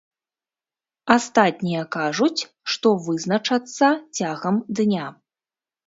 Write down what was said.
Астатнія кажуць, што вызначацца цягам дня.